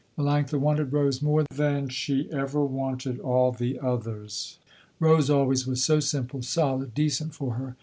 Melanctha wanted Rose more than she had ever wanted all the others. Rose always was so simple, solid, decent, for her.